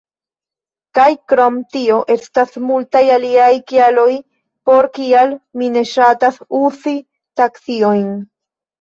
Kaj krom tio, estas multaj aliaj kialoj, por kial mi ne ŝatas uzi taksiojn.